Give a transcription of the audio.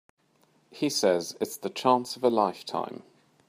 He says it's the chance of a lifetime.